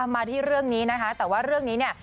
มาที่เรื่องนี้นะคะแต่ว่าเรื่องนี้เนี่ย